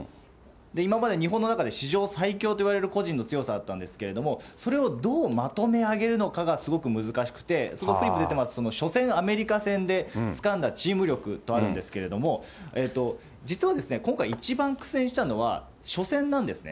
今まで日本の中で、史上最強といわれる個人の強さだったんですけれども、それをどうまとめ上げるのかがすごく難しくて、そこにフリップ出ています、その初戦、アメリカ戦でつかんだチーム力とあるんですけども、実は、今回一番苦戦したのは、初戦なんですね。